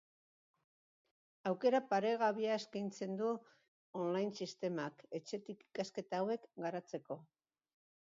Aukera paregabea eskaintzen du online sistemak, etxetik ikasketa hauek garatzeko.